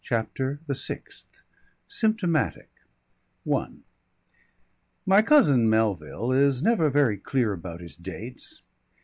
CHAPTER THE SIXTH SYMPTOMATIC I My cousin Melville is never very clear about his dates.